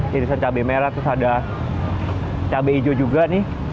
jadi ada cabai merah terus ada cabai hijau juga nih